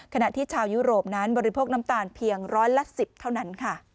ขณะที่ชาวยุโรปนั้นบริโภคน้ำตาลเพียงร้อยละ๑๐เท่านั้นค่ะ